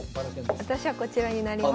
私はこちらになります。